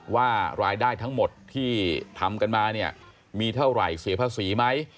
ว่ารายได้ทั้งหมดที่ทำกันมาเนี่ยมีเท่าไหร่เสียภาษีไหม